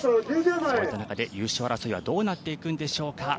そういった中で優勝争いはどうなっていくんでしょうか。